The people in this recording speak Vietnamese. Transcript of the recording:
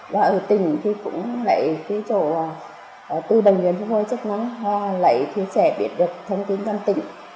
và ở tỉnh thì cũng lại phía chỗ tư đồng nghiệp huyền phục hồi chức năng hoa lại thì sẽ biết được thông tin trong tỉnh